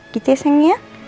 gitu ya seng